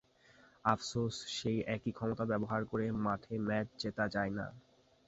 আফসোস, সেই একই ক্ষমতা ব্যবহার করে মাঠে ম্যাচ জেতা যায় না।